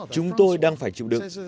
chúng tôi đang phải chịu đựng